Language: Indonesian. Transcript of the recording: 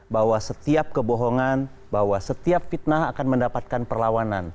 bahwa setiap kebohongan bahwa setiap fitnah akan mendapatkan perlawanan